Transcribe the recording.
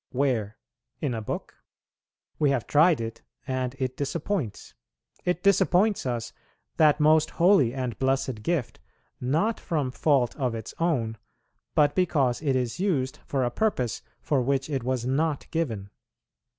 Where? In a book? We have tried it and it disappoints; it disappoints us, that most holy and blessed gift, not from fault of its own, but because it is used for a purpose for which it was not given.